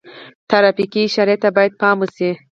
ترافیکي اشارې ته باید پام وشي.